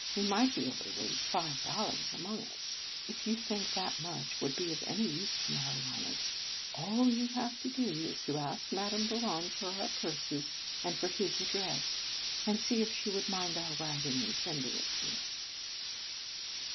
We might be able to raise five dol lars amongst us. If you think that much would be of any use to Mari anus, all you have to do is to ask Madame Bouron for our purses, and for his address, and see if she would mind our writing and sending it to him."